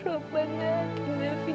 rokban dan hati nafi